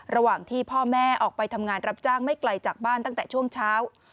ระหว่างที่พ่อแม่ออกไปทำงานรับจ้างไม่ไกลจากบ้านตั้งแต่ช่วงเช้า